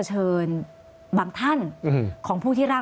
ใช่ครับใช่ครับ